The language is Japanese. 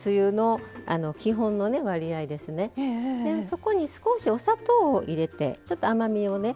そこに少しお砂糖を入れてちょっと甘みをね